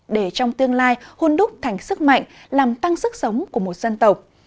để trong tương lai hôn đúc thành sức mạnh làm tăng sức sống của một dân tộc